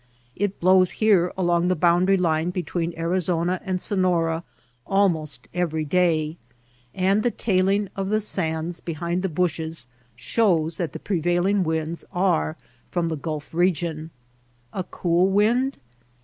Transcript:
It blows here along the boundary line between Arizona and Sonora almost every day ; and the tailing of the sands behind the bushes shows that the prevailing winds are from the Gulf region. A cool wind